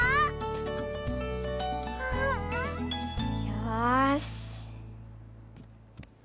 よし。